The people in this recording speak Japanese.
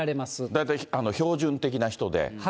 大体、標準的な人で。